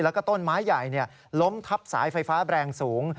แล้วก็ต้นไม้ใหญ่ล้มทับสายไฟฟ้าแรงสูง